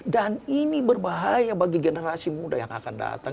dan ini berbahaya bagi generasi muda yang akan datang